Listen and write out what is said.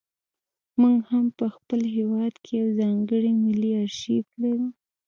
موږ هم په خپل هېواد کې یو ځانګړی ملي ارشیف لرو.